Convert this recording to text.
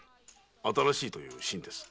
「新しい」という「新」です。